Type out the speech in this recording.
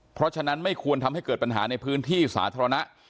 เพราะฉะนั้นไม่ควรทำให้เกิดปัญหาในพื้นที่สาธารณะ